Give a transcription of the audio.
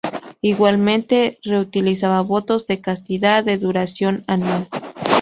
Igualmente realizaban votos de castidad de duración anual.